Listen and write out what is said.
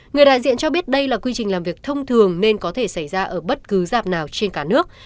người đại diện cho biết đây là quy trình làm việc thông thường nên có thể xảy ra ở bất cứ dạp nào trên cả nước